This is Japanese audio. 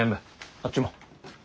あっちも。